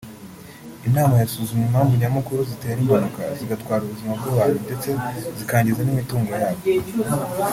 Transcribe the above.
Iyo nama yasuzumye impamvu nyamukuru zitera impanuka zigatwara ubuzima bw’abantu ndetse zikangiza n’imitungo yabo